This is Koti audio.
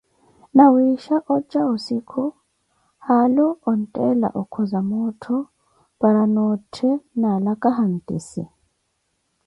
Nawiisha oja ossikhu, haalu ontthela okoza moottho, para noothe naalaka hantisse.